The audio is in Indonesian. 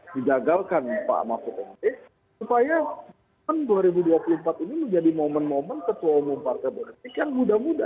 didagalkan pak mahfud md supaya tahun dua ribu dua puluh empat ini menjadi momen momen ketua umum pak raja beresik yang muda muda